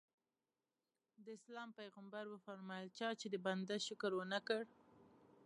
د اسلام پیغمبر وفرمایل چا چې د بنده شکر ونه کړ.